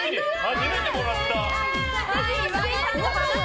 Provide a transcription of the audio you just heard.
初めてもらった。